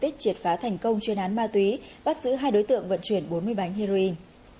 tích triệt phá thành công chuyên án ma túy bắt giữ hai đối tượng vận chuyển bốn mươi bánh heroin